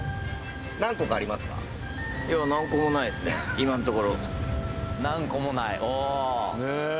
今んところ。